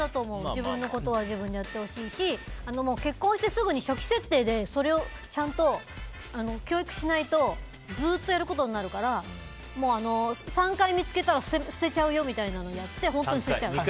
自分のことは自分でやってほしいし結婚してすぐに初期設定でそれをちゃんと教育しないとずっとやることになるから３回見つけたら捨てちゃうよみたいなことをやって本当に捨てちゃう。